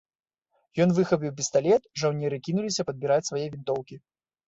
Ён выхапіў пісталет, жаўнеры кінуліся падбіраць свае вінтоўкі.